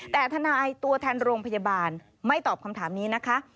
แต่ทนายตัวแทนโรงพยาบาลไม่ตอบคำถามนี้นะคะ